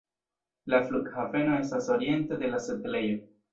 La flughaveno estas oriente de la setlejo.